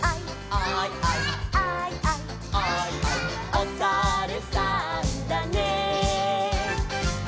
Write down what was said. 「おさるさんだね」